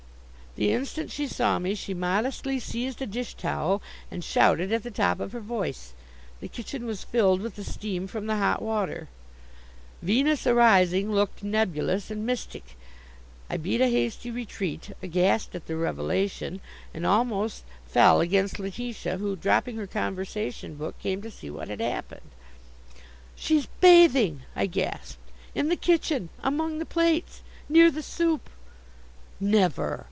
The instant she saw me she modestly seized a dish towel and shouted at the top of her voice. The kitchen was filled with the steam from the hot water. 'Venus arising' looked nebulous, and mystic. I beat a hasty retreat, aghast at the revelation, and almost fell against Letitia, who, dropping her conversation book, came to see what had happened. "She's bathing!" I gasped, "in the kitchen among the plates near the soup " "Never!"